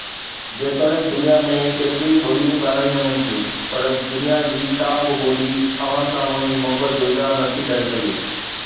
جيتوڻيڪ دنيا ۾ ڪيتريون ئي ٻوليون ڳالهايون وڃن ٿيون، پر دنيا جي ڪا به ٻولي اوهان سان منهنجي محبت جو اظهار نٿي ڪري سگهي.